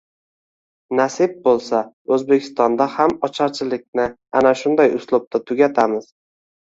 Nasib bo‘lsa, O’zbekistonda ham ocharchilikni ana shunday uslubda tugatamiz.